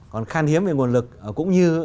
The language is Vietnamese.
còn khan hiếm về nguồn lực cũng như